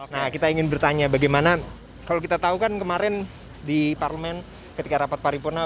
nah kita ingin bertanya bagaimana kalau kita tahu kan kemarin di parlemen ketika rapat paripurna